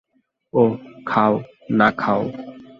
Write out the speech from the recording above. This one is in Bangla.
ওহ, খাও, না খাও।